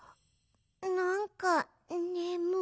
なんかねむい。